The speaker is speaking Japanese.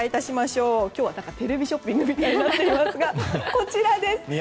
今日はテレビショッピングみたいですが、こちらです。